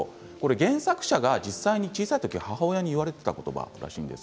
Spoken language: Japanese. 原作者が実際に小さい時に母親に言われていた言葉らしいんです。